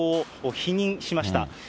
否認しました。